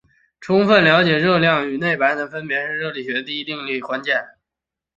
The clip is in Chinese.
充分了解热量与内能的分别是明白热力学第一定律的关键。